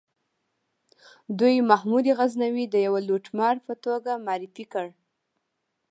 دوی محمود غزنوي د یوه لوټمار په توګه معرفي کړ.